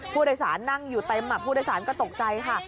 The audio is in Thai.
ผู้โดยสารนั่งอยู่เต็มผู้โดยสารก็ตกใจค่ะ